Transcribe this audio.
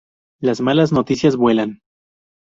Las malas noticias vuelan